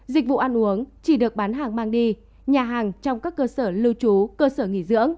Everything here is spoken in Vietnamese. dịch vụ ăn uống chỉ được bán hàng mang đi nhà hàng trong các cơ sở lưu trú cơ sở nghỉ dưỡng